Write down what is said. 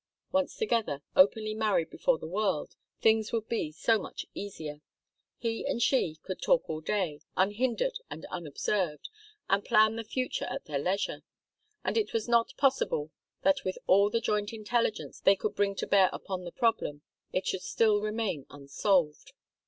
Once together, openly married before the world, things would be so much easier. He and she could talk all day, unhindered and unobserved, and plan the future at their leisure, and it was not possible that with all the joint intelligence they could bring to bear upon the problem, it should still remain unsolved.